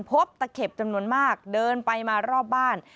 ตะเข็บจำนวนมากเดินไปมารอบบ้าน